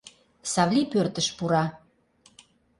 Савлий пӧртыш пура.